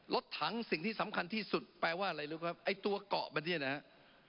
รถถังสิ่งที่สำคัญที่สุดแปลว่าอะไรรู้ไหมไอ้ตัวเกาะมันเนี่ยนะครับ